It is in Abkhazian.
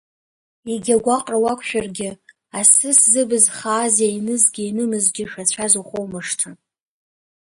Егьа гәаҟра уақәшәаргьы, асыс зыбз хааз иаинызгьы иаинымызгьы шацәаз ухоумыршҭын.